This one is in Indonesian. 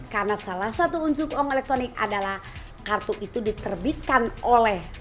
karena salah satu unsur uang elektronik adalah kartu itu diterbitkan oleh